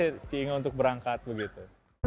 saya mengakses si inge untuk berangkat begitu